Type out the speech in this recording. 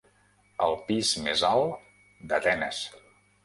El pis més alt d'Atenes.